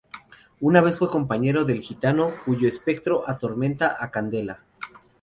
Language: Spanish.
Una vez fue compañero del gitano cuyo espectro atormenta a Candela.